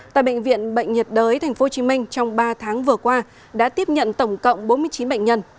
tại bệnh viện bệnh nhiệt đới tp hcm trong ba tháng vừa qua đã tiếp nhận tổng cộng bốn mươi chín bệnh nhân